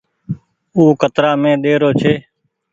او ڪترآ مي ۮيرو ڇي۔